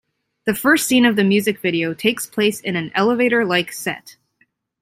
The first scene of the music video takes place in an elevator-like set.